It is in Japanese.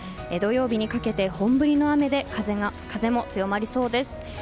土曜日にかけて本降りの雨で風も強まりそうです。